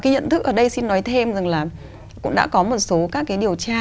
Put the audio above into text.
cái nhận thức ở đây xin nói thêm rằng là cũng đã có một số các cái điều tra